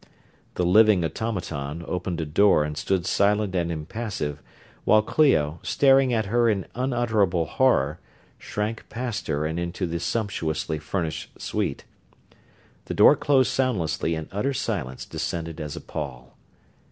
The living automaton opened a door and stood silent and impassive, while Clio, staring at her in unutterable horror, shrank past her and into the sumptuously furnished suite. The door closed soundlessly and utter silence descended as a pall.